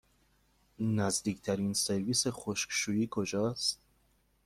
نزدیکترین سرویس خشکشویی کجاست؟